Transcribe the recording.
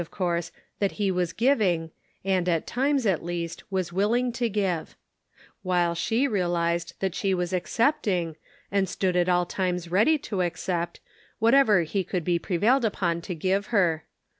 of course, that he was giving, and, at times at least, was willing to give ; while she realized that she was accepting, and stood at all times ready to accept, whatever he could be pre vailed upon to give her.